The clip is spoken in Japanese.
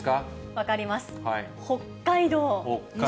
分かります。